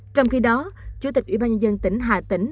trong khi đó chủ tịch ubnd tỉnh hà tĩnh